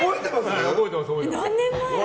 何年前？